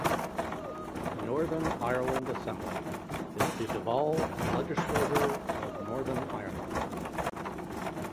The Northern Ireland Assembly is the devolved legislature of Northern Ireland.